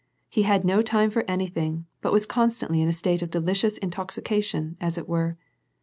He had no time for anything, but was constantly in a state of delicious intox ication, as it were.